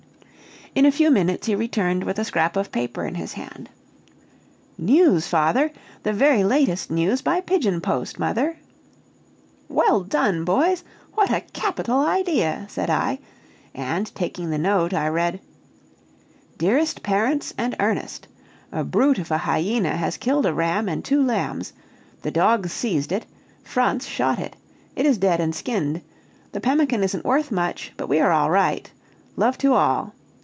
In a few minutes he returned with a scrap of paper in his hand. "News, father! The very latest news by pigeon post, mother!" "Well done, boys! what a capital idea!" said I, and taking the note I read: "DEAREST PARENTS AND ERNEST: "A brute of a hyena has killed a ram and two lambs. The dogs seized it. Franz shot it. It is dead and skinned. The pemmican isn't worth much, but we are all right. Love to all.